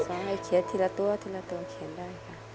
ก็ให้เขียนทีละตัวทีละตัวเขียนได้ค่ะ